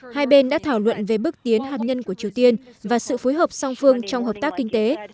hai bên đã thảo luận về bước tiến hạt nhân của triều tiên và sự phối hợp song phương trong hợp tác kinh tế